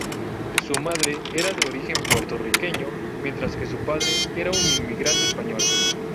Su madre era de origen puertorriqueño mientras que su padre era un inmigrante español.